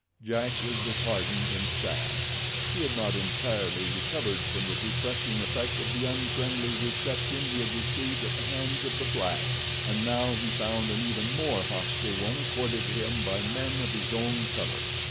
Jack was disheartened and sad. He had not entirely recovered from the depressing effect of the unfriendly reception he had received at the hands of the blacks, and now he had found an even more hostile one accorded him by men of his own color.